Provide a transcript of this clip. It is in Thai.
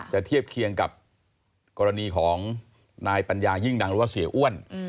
เทียบเคียงกับกรณีของนายปัญญายิ่งดังหรือว่าเสียอ้วน